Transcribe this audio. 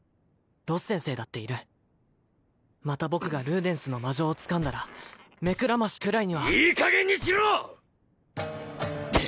ロス先生だっているまた僕がルーデンスの魔杖をつかんだら目くらましくらいにはいい加減にしろ！